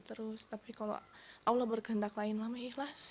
tapi kalau allah bergendak lain mami ikhlas